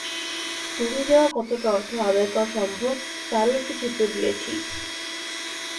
চুরি যাওয়া কতটা অর্থ আদায় করা সম্ভব, তারও একটা চিত্র দিয়েছি।